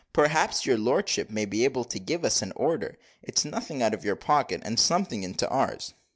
Perhaps your lordship may be able to give us an order. It's nothing out of your pocket, and something into ours."